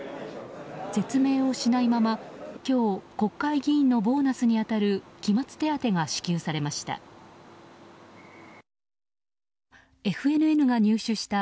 説明をしないまま今日、国会議員のボーナスに当たる期末手当が支給されました。